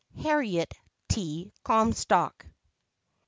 Harriet T. Comstock.